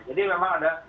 jadi memang ada